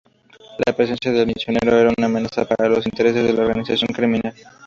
La presencia del misionero era una amenaza para los intereses de la organización criminal.